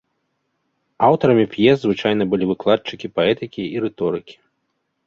Аўтарамі п'ес звычайна былі выкладчыкі паэтыкі і рыторыкі.